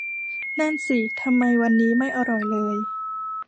นั่นสิ ทำไมวันนี้ไม่อร่อยเลย